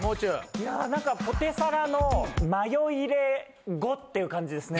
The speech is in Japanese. いやなんかポテサラのマヨ入れ後っていう感じですね。